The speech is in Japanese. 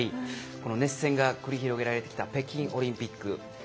熱戦が繰り広げられてきた北京オリンピック。